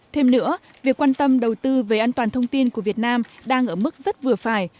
thêm nữa việc quan tâm đầu tư về an toàn thông tin của việt nam đang ở mức rất vừa phải